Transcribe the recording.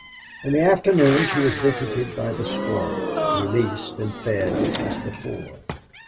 In the afternoon she was visited by the squaw, released and fed as before.